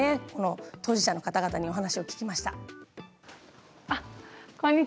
当事者の方々にお話を聞きました。